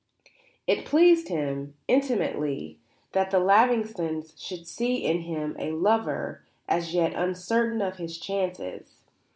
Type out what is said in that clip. It pleased him, intimately, that the Lavingtons should see in him a lover as yet uncertain of his chances.